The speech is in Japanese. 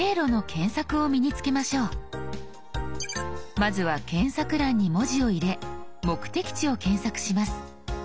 まずは検索欄に文字を入れ目的地を検索します。